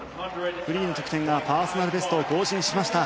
フリーの得点がパーソナルベストを更新しました。